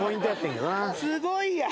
すごいやん。